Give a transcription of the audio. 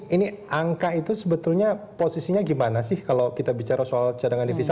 ini angka itu sebetulnya posisinya gimana sih kalau kita bicara soal cadangan devisa